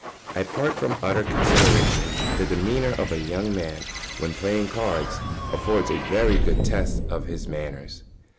] Apart from other considerations, the demeanour of a young man when playing cards affords a very good test of his manners.